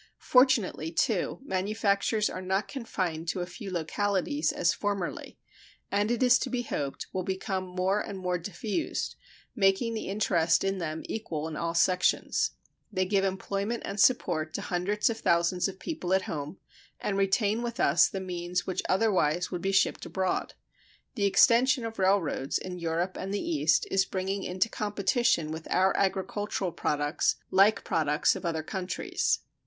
Fortunately, too, manufactures are not confined to a few localities, as formerly, and it is to be hoped will become more and more diffused, making the interest in them equal in all sections. They give employment and support to hundreds of thousands of people at home, and retain with us the means which otherwise would be shipped abroad. The extension of railroads in Europe and the East is bringing into competition with our agricultural products like products of other countries.